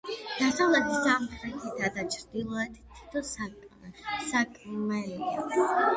დასავლეთით, სამხრეთითა და ჩრდილოეთით თითო სარკმელია.